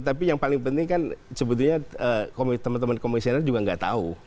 tapi yang paling penting kan sebetulnya teman teman komisioner juga nggak tahu